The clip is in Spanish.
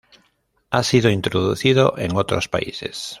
Ha sido introducido en otros países.